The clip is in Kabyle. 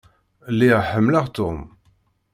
Lliɣ ḥemmleɣ Tom.